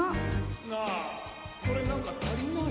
なあこれなんかたりない？